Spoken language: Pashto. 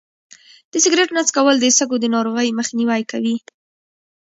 د سګرټ نه څکول د سږو د ناروغۍ مخنیوی کوي.